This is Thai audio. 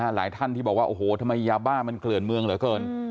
หลายท่านที่บอกว่าโอ้โหทำไมยาบ้ามันเกลื่อนเมืองเหลือเกิน